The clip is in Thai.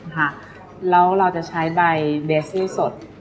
ค่ะเราก็จะใช้ใบเบซี่สด